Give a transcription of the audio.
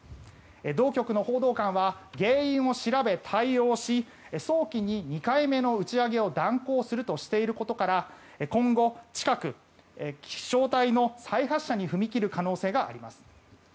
同局の報道官は原因を調べ、対応し早期に２回目の打ち上げを断行するとしていることから今後近く、飛翔体の再発射に踏み切る可能性があります。